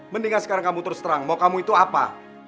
mendingan sekarang kamu terus terang mau kamu itu apa